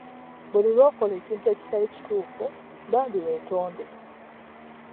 Buli lw'okola ekintu ekitali kituufu, bambi weetonde.